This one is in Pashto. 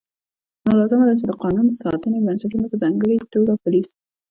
نو لازمه ده چې د قانون ساتنې بنسټونه په ځانګړې توګه پولیس